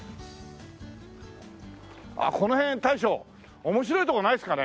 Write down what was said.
あっこの辺大将面白い所ないですかね？